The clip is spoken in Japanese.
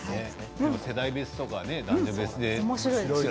でも世代別とか男女別で。